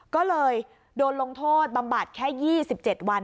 ก็เลยโดนลงโทษบำบัดแค่๒๗วัน